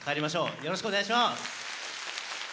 よろしくお願いします！